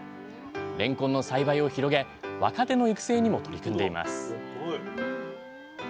れんこんの栽培を広げ若手の育成にも取り組んでいます